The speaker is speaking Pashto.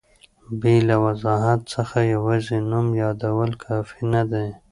بې له وضاحت څخه یوازي نوم یادول کافي نه دي.